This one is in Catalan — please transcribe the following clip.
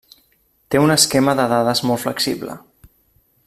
Té un esquema de dades molt flexible.